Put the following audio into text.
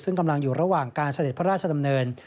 ซึ่งกำลังอยู่ระหว่างการเสด็จพระราชดำเนิน